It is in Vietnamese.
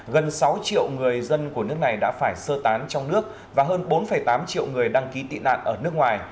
gần sáu triệu người dân của nước này đã phải sơ tán trong nước và hơn bốn tám triệu người đăng ký tị nạn ở nước ngoài